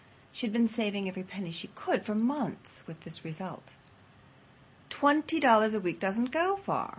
She had been saving every penny she could for months, with this result. Twenty dollars a week doesn't go far.